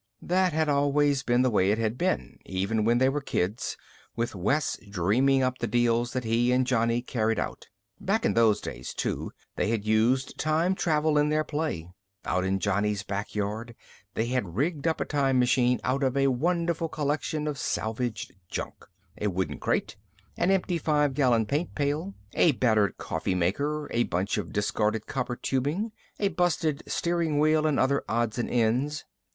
That had always been the way it had been, even when they were kids, with Wes dreaming up the deals that he and Johnny carried out. Back in those days, too, they had used time travel in their play. Out in Johnny's back yard, they had rigged up a time machine out of a wonderful collection of salvaged junk a wooden crate, an empty five gallon paint pail, a battered coffee maker, a bunch of discarded copper tubing, a busted steering wheel and other odds and ends.